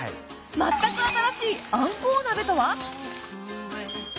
全く新しいあんこう鍋とは？